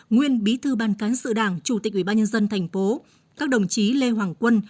nguyên bí thư ban cán sự đảng chủ tịch ubnd tp các đồng chí lê hoàng quân